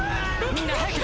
みんな早く！